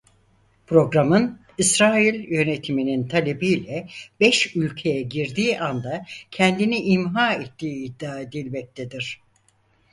Programın İsrail yönetiminin talebiyle beş ülkeye girdiği anda kendini imha ettiği iddia edilmektedir.